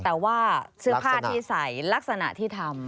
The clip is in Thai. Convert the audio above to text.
แต่ว่าเสื้อผ้าที่ใส่ลักษณะที่ทำ